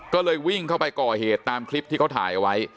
ก็เลยวิ่งเข้าไปก่อเหตุตามคลิปที่เขาถ่ายเอาไว้